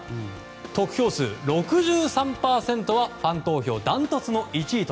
得票数６３％はファン投票ダントツの１位。